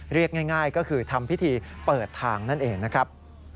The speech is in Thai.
เรียกง่ายก็คือทำพิธีเปิดทางนั่นเองนะครับ